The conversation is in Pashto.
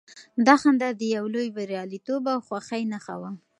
دا خندا د يو لوی برياليتوب او خوښۍ نښه وه.